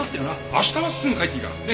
明日はすぐ帰っていいから。